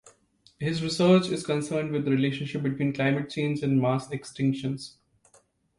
His research is concerned with the relationship between climate change and mass extinctions.